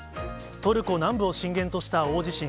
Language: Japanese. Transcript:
トルコ南部を震源とした大地震。